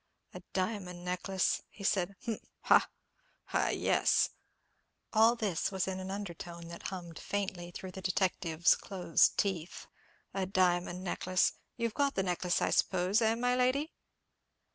"A diamond necklace!" he said; "humph—ha, ha—yes!" All this was in an undertone, that hummed faintly through the detective's closed teeth. "A diamond necklace! You've got the necklace, I suppose, eh, my lady?"